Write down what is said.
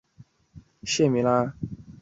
祖父陈赐全。